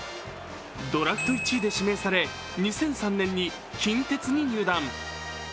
ドラフト１位で指名され２００３年に近鉄に入団。